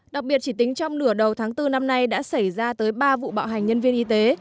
đặc biệt chỉ tính trong nửa đầu tháng bốn năm nay đã xảy ra tới ba vụ bạo hành nhân viên y tế